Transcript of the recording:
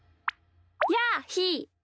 やあひー。